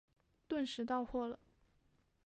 顿时到货了